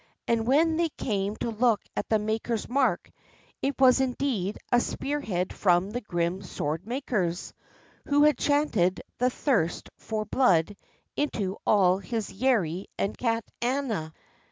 " And when they came to look at the maker's mark, it was indeed a spear head from the grim sword maker's, who had chanted the thirst for blood into all his yari and katana.